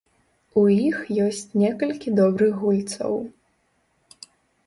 У іх ёсць некалькі добрых гульцоў.